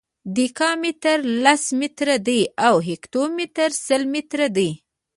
دیکا متر لس متره دی او هکتو متر سل متره دی.